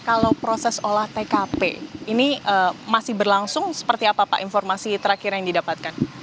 kalau proses olah tkp ini masih berlangsung seperti apa pak informasi terakhir yang didapatkan